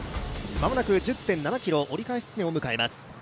間もなく１０．７ｋｍ、折り返し地点を迎えます。